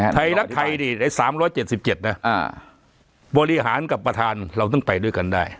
ไทยรักไทยดิไอ้๓๗๗นะบริหารกับประธานเราต้องไปด้วยกันได้